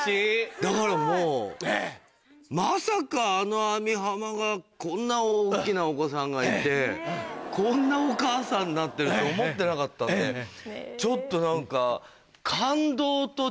だからもうまさかあの網浜がこんな大きなお子さんがいてこんなお母さんになってるって思ってなかったんでちょっと何か。